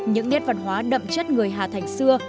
những nét văn hóa đậm chất người hà thành xưa